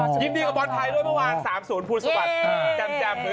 ยินดีกับบอลไทยด้วยเมื่อวาน๓๐ภูมิสวัสดี